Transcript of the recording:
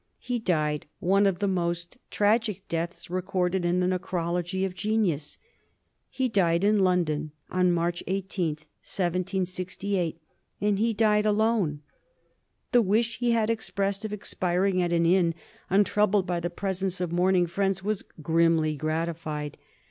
He died one of the most tragic deaths recorded in the necrology of genius. He died in London on March 18, lY68y and he died alone. The wish he had expressed of expiring at an inn untroubled by the presence of mourn ing friends was grimly gratified.